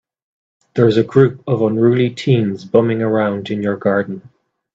There's a group of unruly teens bumming around in your garden.